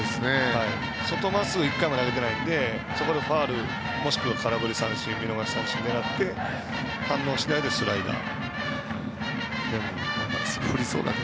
外に１回も投げてないのでそこでファウルもしくは空振り三振見逃し三振を狙って反応しないでスライダー。